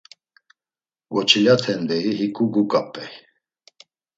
Goçilaten, deyi hiǩu guǩap̌ey.